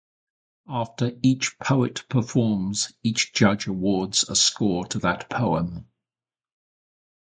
After each poet performs, each judge awards a score to that poem.